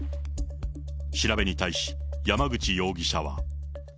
調べに対し、山口容疑者は。